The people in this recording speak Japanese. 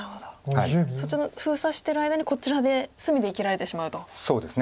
そっちの封鎖してる間にこちらで隅で生きられてしまうということですね。